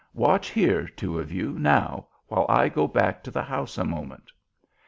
Watch here, two of you, now, while I go back to the house a moment."